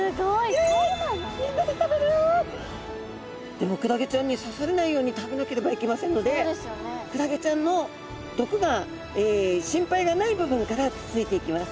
でもクラゲちゃんに刺されないように食べなければいけませんのでクラゲちゃんの毒が心配がない部分からつついていきます。